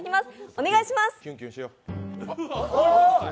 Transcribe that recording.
お願いします。